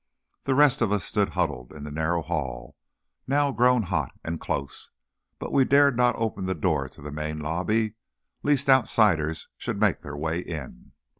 The rest of us stood huddled in the narrow hall, now grown hot and close, but we dared not open the door to the main lobby, lest outsiders should make their way in.